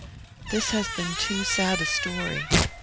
This has been too sad a story.